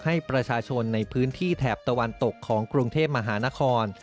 ให้ประชาชนในพื้นที่แถบตะวันตกของกรุงเทพมหานคร